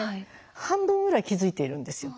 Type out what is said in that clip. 半分ぐらい気付いているんですよ。